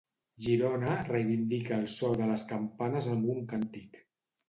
Girona reivindica el so de les campanes amb un càntic.